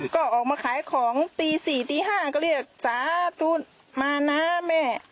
ก็ออกมาขายของตี๔ตี๕ก็เรียกสาธุมานะแม่